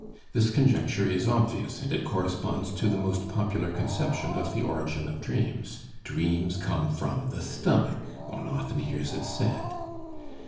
This conjecture is obvious, and it corresponds to the most popular conception of the origin of dreams. Dreams come from the stomach, one often hears it said.